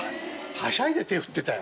はしゃいで手振ってたよ。